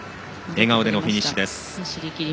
笑顔でのフィニッシュです。